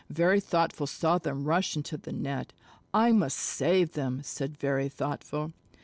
Very Thoughtful saw them rush into the net. "I must save them," said Very Thoughtful.